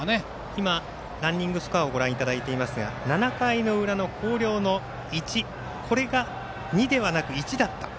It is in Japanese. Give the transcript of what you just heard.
今ランニングスコアをご覧いただいていますが７回の裏の広陵の１これが２ではなく１だった。